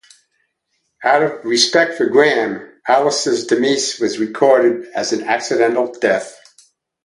Out of respect for Grahame, Alastair's demise was recorded as an accidental death.